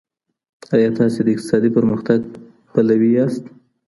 ايا تاسي د اقتصادي پرمختګ پلوي ياست؟